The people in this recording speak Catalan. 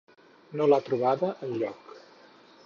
No l'ha trobada enlloc